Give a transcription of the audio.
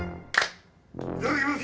いただきます！